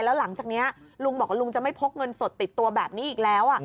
แล้วหลังจากนี้ลุงบอกว่าลุงจะไม่พกเงินสดติดตัวแบบนี้อีกแล้ว